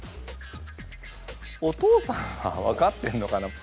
お父さんは分かってんのかな？